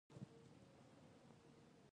ښتې د افغان کورنیو د دودونو مهم عنصر دی.